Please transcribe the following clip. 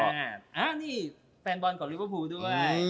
นี่แฟนบอลกับลิเวอร์ฟูด้วย